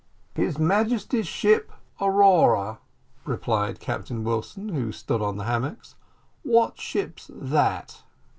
"His Majesty's ship Aurora," replied Captain Wilson, who stood on the hammocks. "What ship's that?"